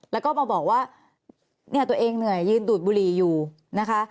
แล้วก็มาบอกว่าเนี่ยตัวเองเหนื่อยยืนดูดบุหรี่อยู่นะคะ